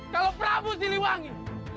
kalau prabu siliwangi